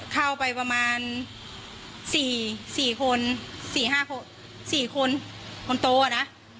เข้าไปประมาณ๔๒คน๔๕ก่อน๔คนร้อนตัวนะ